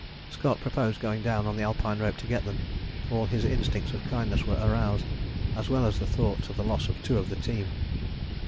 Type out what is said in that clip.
Scott proposed going down on the Alpine rope to get them; all his instincts of kindness were aroused, as well as the thought of the loss of two of the team.